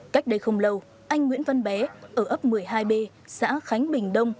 cách đây không lâu anh nguyễn văn bé ở ấp một mươi hai b xã khánh bình đông